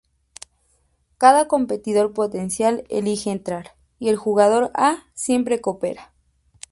Cada competidor potencial elige entrar, y el jugador A siempre coopera.